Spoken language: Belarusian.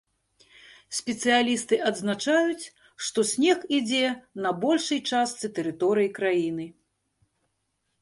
Спецыялісты адзначаюць, што снег ідзе на большай частцы тэрыторыі краіны.